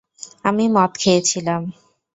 আমি মদ খেয়েছিলাম।